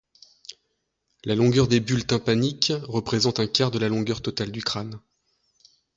La longueur des bulles tympaniques représente un quart de la longueur totale du crâne.